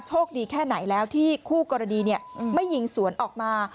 โชคดีแค่ไหนแล้วที่คู่กรณีไม่ยิงสวนออกมา